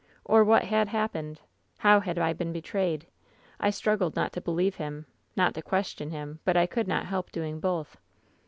Or what had hap pened ? How had I been betrayed ? I struggled not to believe him — not to question him ; but I could not help doing both.